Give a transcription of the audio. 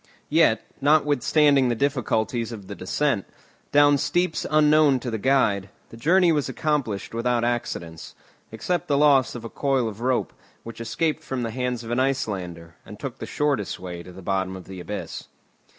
Yet, notwithstanding the difficulties of the descent, down steeps unknown to the guide, the journey was accomplished without accidents, except the loss of a coil of rope, which escaped from the hands of an Icelander, and took the shortest way to the bottom of the abyss.